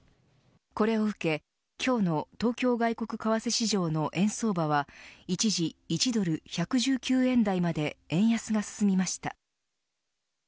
これを受け、今日の東京外国為替市場の円相場は一時１ドル１１９円台まで円安が進みました。